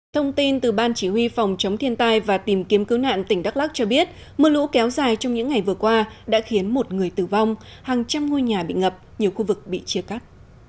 thông tin từ ban chỉ huy phòng chống thiên tai và tìm kiếm cứu nạn tỉnh đắk lắc cho biết mưa lũ kéo dài trong những ngày vừa qua đã khiến một người tử vong hàng trăm ngôi nhà bị ngập nhiều khu vực bị chia cắt